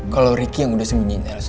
kalo ricky yang udah sembunyikan ilesa